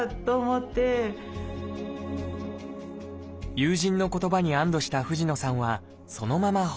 友人の言葉に安堵した藤野さんはそのまま放置。